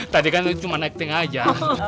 tadi kan cuma necting aja